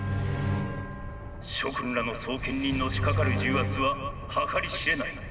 「諸君らの双肩にのしかかる重圧は計り知れない。